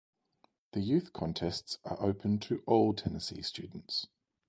The youth contests are open to all Tennessee students.